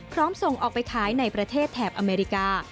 ส่งออกไปขายในประเทศแถบอเมริกา